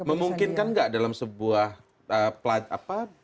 memungkinkan nggak dalam sebuah pelajaran